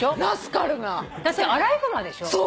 だってアライグマでしょ？